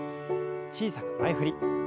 小さく前振り。